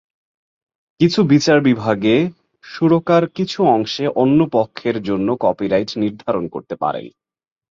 কিছু বিচার বিভাগে, সুরকার কিছু অংশে অন্য পক্ষের জন্য কপিরাইট নির্ধারণ করতে পারেন।